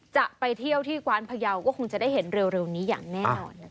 จะไปเที่ยวที่กวานพยาวก็คงจะได้เห็นเร็วนี้อย่างแน่นอนนะคะ